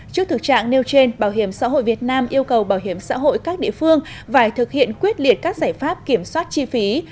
trước thực trạng nêu trên bảo hiểm xã hội việt nam yêu cầu bảo hiểm xã hội các địa phương phải thực hiện quyết liệt các giải pháp kiểm soát chi phí